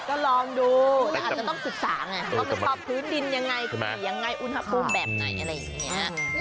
ก็ลองดูแต่อาจจะต้องศึกษาไงว่ามันปรับพื้นดินยังไงขี่ยังไงอุณหภูมิแบบไหนอะไรอย่างนี้